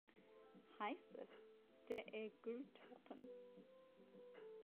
Hejsa, der er guldtoppen